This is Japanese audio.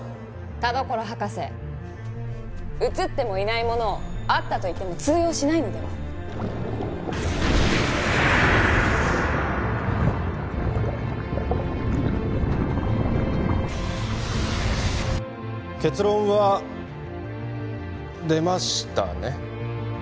田所博士写ってもいないものをあったといっても通用しないのでは結論は出ましたね